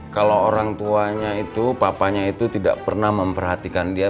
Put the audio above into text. kalau orang tuanya itu papanya itu tidak pernah memperhatikan dia